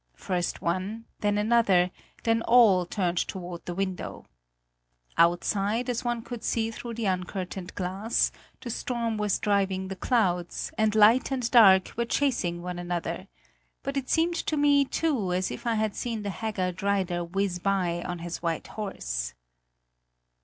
First one, then another, then all turned toward the window. Outside, as one could see through the uncurtained glass, the storm was driving the clouds, and light and dark were chasing one another; but it seemed to me too as if I had seen the haggard rider whiz by on his white horse.